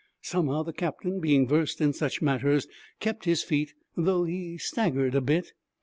Somehow the captain, being versed in such matters, kept his feet, though he staggered a bit.